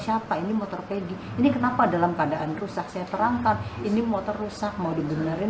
siapa ini motor pedi ini kenapa dalam keadaan rusak saya terangkan ini motor rusak mau dibenarin